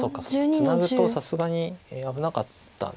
ツナぐとさすがに危なかったんですか。